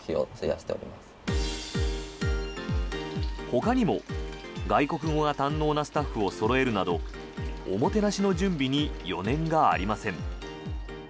ほかにも外国語が堪能なスタッフをそろえるなどおもてなしの準備に余念がありません。